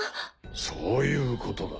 そういうことだ。